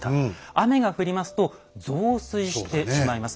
雨が降りますと増水してしまいます。